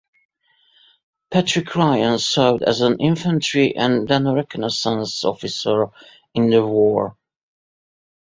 Patrick Ryan served as an infantry and then a reconnaissance officer in the war.